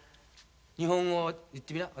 日本語を言ってみな。